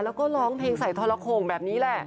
แล้วก็ร้องเพลงใส่ทรโข่งแบบนี้แหละ